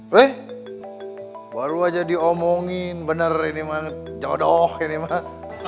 weh baru aja diomongin bener ini mah jodoh ini mah